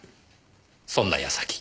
そんな矢先。